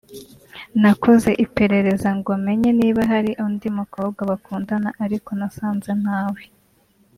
nakoze iperereza ngo menye niba hari undi mukobwa bakundana ariko nasanze ntawe